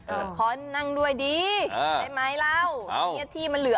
อ้าวขอนั่งด้วยดิวาวไหมเรา